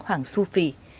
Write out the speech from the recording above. hoàng su phi